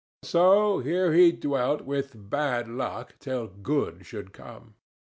So here he dwelt with bad luck till good should come.